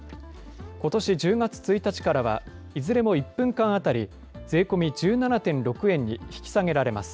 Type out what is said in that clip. ことし１０月１日からは、いずれも１分間当たり、税込み１７．６円に引き下げられます。